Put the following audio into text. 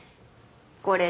これ